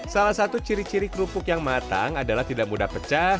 salah satu ciri ciri kerupuk yang matang adalah tidak mudah pecah